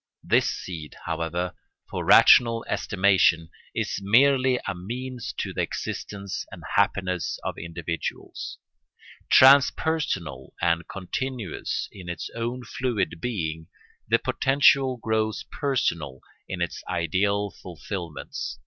This seed, however, for rational estimation, is merely a means to the existence and happiness of individuals. Transpersonal and continuous in its own fluid being, the potential grows personal in its ideal fulfilments.